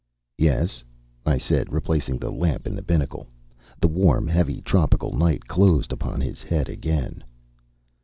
"Yes," I said, replacing the lamp in the binnacle. The warm, heavy tropical night closed upon his head again.